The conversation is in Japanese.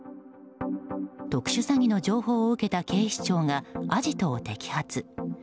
特殊詐欺の情報を受けた警視庁がアジトを摘発。